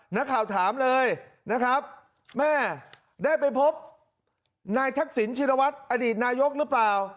นักข่าวถามเลยนะครับแม่ได้ไปพบนายทักษิณชินวัฒน์อดีตนายกหรือเปล่า